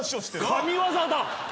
神業だ！